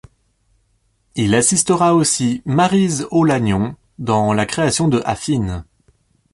Il assistera aussi Maryse Aulagnon dans la création de Affine.